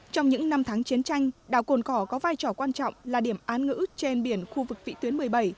trong những năm tháng chiến tranh đảo cồn cỏ có vai trò quan trọng là điểm án ngữ trên biển khu vực vị tuyến một mươi bảy